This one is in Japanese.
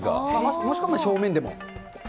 もしくは正面でも。